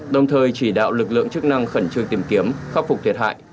đồng thời chỉ đạo lực lượng chức năng khẩn trương tìm kiếm khắc phục thiệt hại